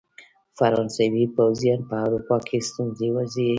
فرانسوي پوځیانو په اروپا کې ستونزې وزېږولې.